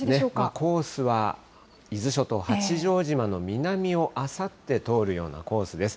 コースは伊豆諸島、八丈島の南をあさって通るようなコースです。